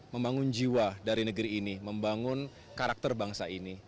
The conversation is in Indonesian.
membangun jiwa dari negeri ini membangun karakter bangsa ini